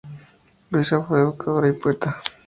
Luisa fue educadora y poeta.